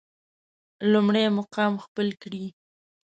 لومړی مقام خپل کړي.